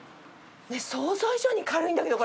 想像以上に軽いんだけど。